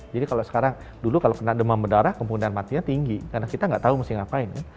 jadi kalau sekarang dulu kalau kena demam berdarah kemungkinan matinya tinggi karena kita enggak tahu mesti ngapain